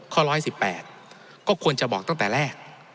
ข้อ๑๑๘ก็ควรจะบอกตั้งแต่แรก